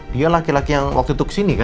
dia laki laki yang waktu itu kesini kan